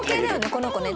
この子ね。